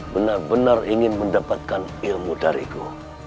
benar benar ingin mendapatkan ilmu dariku